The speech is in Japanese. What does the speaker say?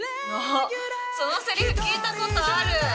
あっそのセリフ聞いたことある。